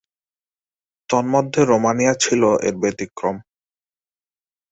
তন্মধ্যে রোমানিয়া ছিল এর ব্যতিক্রম।